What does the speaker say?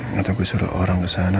nanti gue suruh orang kesana